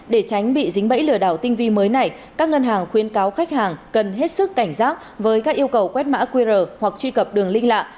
để tránh bị dính bẫy lừa đảo tinh vi mới này các ngân hàng khuyến cáo khách hàng cần hết sức cảnh giác với các yêu cầu quét mã qr hoặc truy cập đường linh lạ